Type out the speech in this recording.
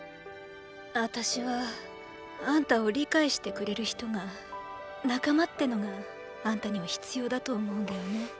あたしはあんたを理解してくれる人がーー“仲間”ってのがあんたには必要だと思うんだよね。